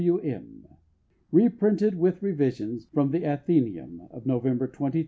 W.M. Reprinted, with revisions, from THE ATHENÆUM _of November 23, 1907.